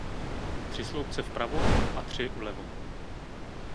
Tři sloupce vpravo a tři vlevo.